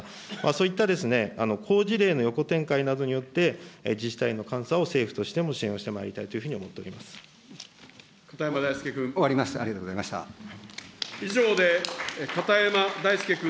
そういった好事例の横展開などによって、自治体の監査を政府としても支援をしてまいりたいというように思片山大介君。